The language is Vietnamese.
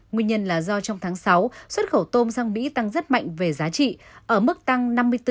nguyên nhân là do trong tháng sáu xuất khẩu tôm sang mỹ tăng rất mạnh về giá trị ở mức tăng năm mươi bốn bốn